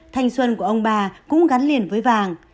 thanh xuân của ông bà cũng gắn liền với vàng